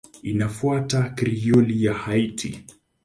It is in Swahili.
Inafuata Krioli ya Haiti.